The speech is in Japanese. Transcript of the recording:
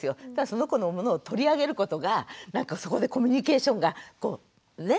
その子のものを取り上げることがなんかそこでコミュニケーションがこうね？